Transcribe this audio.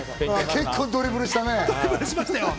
結構ドリブルしたね。